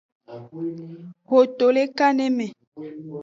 Ho to le kaneme.